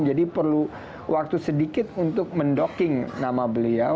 jadi perlu waktu sedikit untuk mendocking nama beliau